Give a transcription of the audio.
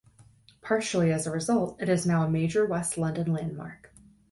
Partially as a result, it is now a major West London landmark.